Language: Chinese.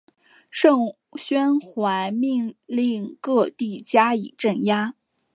盛宣怀命令各地加以镇压。